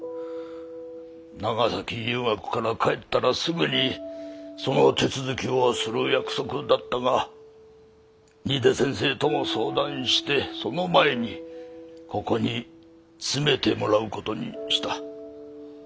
長崎遊学から帰ったらすぐにその手続きをする約束だったが新出先生とも相談してその前にここに詰めてもらう事にした。